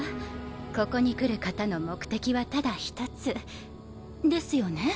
ここに来る方の目的はただ一つ。ですよね？